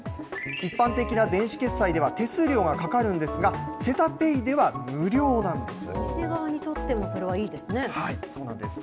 一般的な電子決済では手数料がかかるんですが、せたＰａｙでは無お店側にとってもそれはいいそうなんです。